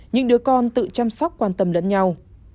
những đứa con tự chăm sóc quan tâm lẫn nhau